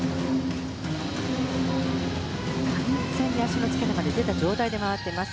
完全に脚の付け根まで出た状態で回っています。